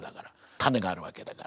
種があるわけだから。